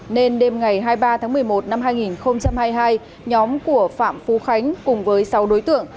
nên đêm ngày hai mươi ba tháng một mươi một năm hai nghìn hai mươi hai nhóm của phạm phú khánh cùng với sáu đối tượng